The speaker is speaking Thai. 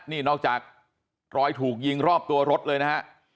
นี่นอกจากรอยถูกยิงรอบตัวรถเลยนะฮะ